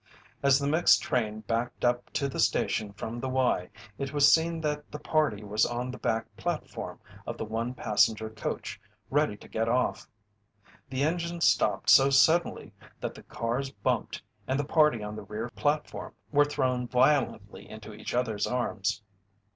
As the mixed train backed up to the station from the Y, it was seen that the party was on the back platform of the one passenger coach, ready to get off. The engine stopped so suddenly that the cars bumped and the party on the rear platform were thrown violently into each other's arms.